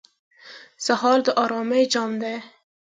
سهار د آرامۍ جام دی.